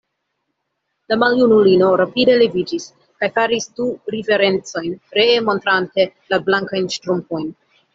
La maljunulino rapide leviĝis kaj faris du riverencojn, ree montrante la blankajn ŝtrumpojn.